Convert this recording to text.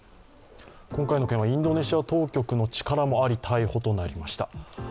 今回の件はインドネシア当局の力もあり逮捕となりました。